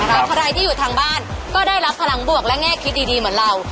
แต่ใครที่อยู่ทางบ้านก็ได้รับพลังบวกและแง่คิดดีเหมือนเรา